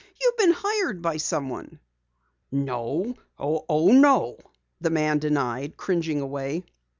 You've been hired by someone!" "No, no," the man denied, cringing away.